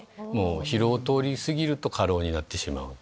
疲労を通り過ぎると過労になってしまう。